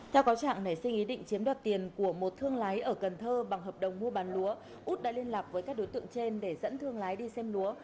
theo cáo trạng nảy sinh ý định chiếm đoạt tiền của một thương lái ở cần thơ bằng hợp đồng mua bán lúa út đã liên lạc với các đối tượng trên để dẫn thương lái đi xem lúa